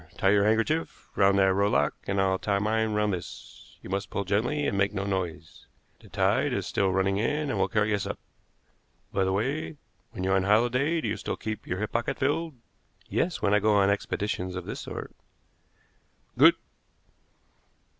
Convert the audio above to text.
Tie your handkerchief round that rowlock, and I'll tie mine round this. You must pull gently and make no noise. The tide is still running in, and will carry us up. By the way, when you're on holiday do you still keep your hip pocket filled?" "Yes, when I go on expeditions of this sort." "Good!